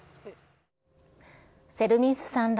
セルミンスさんら